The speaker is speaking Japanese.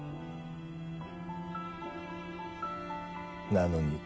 なのに。